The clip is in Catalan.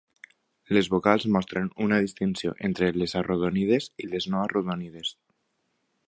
Les vocals mostren una distinció entre les arrodonides i les no arrodonides.